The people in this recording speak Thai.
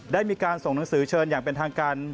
ได้มีการส่งหนังสือเชิญอย่างเป็นทางการ